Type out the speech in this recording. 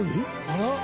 あら？